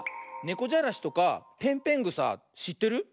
ねこじゃらしとかぺんぺんぐさしってる？